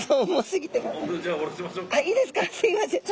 すいません。